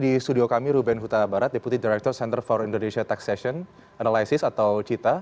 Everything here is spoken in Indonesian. di studio kami ruben huta barat deputi direktur center for indonesia taxation analysis atau cita